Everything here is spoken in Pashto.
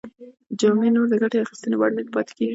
جامې نور د ګټې اخیستنې وړ نه پاتې کیږي.